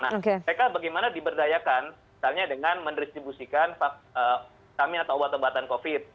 nah mereka bagaimana diberdayakan misalnya dengan men distribusikan obat obatan covid